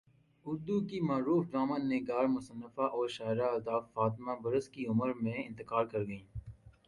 اردو کی معروف ڈرامہ نگار مصنفہ اور شاعرہ الطاف فاطمہ برس کی عمر میں انتقال کر گئیں